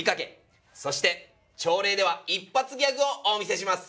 そして朝礼では一発ギャグをお見せします！